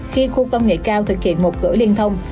khi khu công nghệ cao thực hiện một cửa liên thông